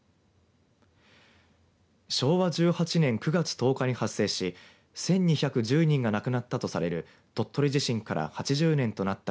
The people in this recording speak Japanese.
昭和１８年９月１０日に発生し１２１０人が亡くなったとされる鳥取地震から８０年となった